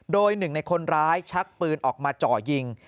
โดยหนึ่งในคนร้ายชักปืนออกมาจ่อยิง